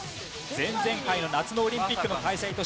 前々回の夏のオリンピックの開催